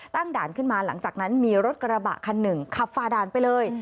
ด่านขึ้นมาหลังจากนั้นมีรถกระบะคันหนึ่งขับฝ่าด่านไปเลย